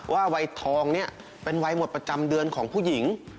วัยทองเนี่ยเป็นวัยหมดประจำเดือนของผู้หญิง